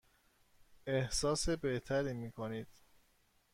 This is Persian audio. احساس بهتری می کنید؟